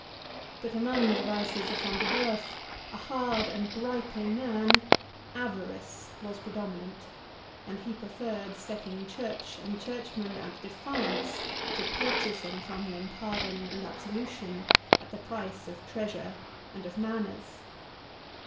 But among the vices of Front de Bœuf, a hard and griping man, avarice was predominant; and he preferred setting church and churchmen at defiance, to purchasing from them pardon and absolution at the price of treasure and of manors.